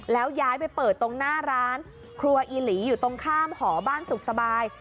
แล้วย้ายไปเปิดตรงหน้าร้านครัวอีหลีอยู่ตรงข้ามหอบ้านสุขสบาย